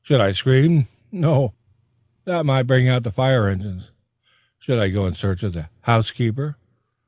Should I scream? No, that might bring out the fire engines. Should I go in search of the housekeeper?